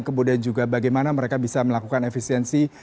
kemudian juga bagaimana mereka bisa melakukan efisiensi